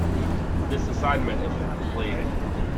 This assignment is incomplete.